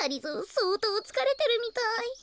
そうとうつかれてるみたい。